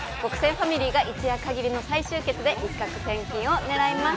ファミリーが一夜限りの再集結で一獲千金をねらいます。